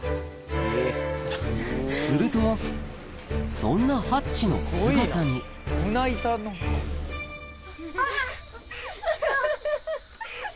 するとそんなハッチの姿に・ハハっ・・アハハハハ！